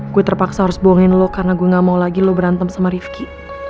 gue terpaksa harus buangin lo karena gue gak mau lagi lo berantem sama rifki